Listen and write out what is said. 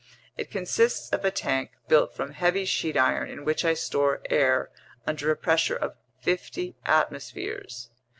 It consists of a tank built from heavy sheet iron in which I store air under a pressure of fifty atmospheres.